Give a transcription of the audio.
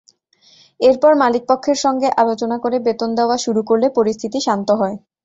এরপর মালিকপক্ষের সঙ্গে আলোচনা করে বেতন দেওয়া শুরু করলে পরিস্থিতি শান্ত হয়।